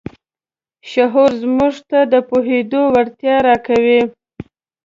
شعور موږ ته د پوهېدو وړتیا راکوي.